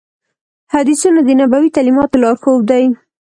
حدیثونه د نبوي تعلیماتو لارښود دي.